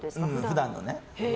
普段のね。